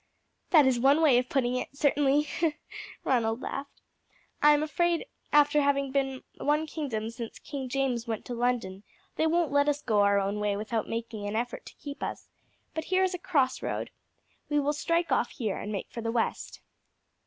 "That is one way of putting it, certainly," Ronald laughed. "I am afraid after having been one kingdom since King James went to London, they won't let us go our own way without making an effort to keep us; but here is a crossroad, we will strike off here and make for the west."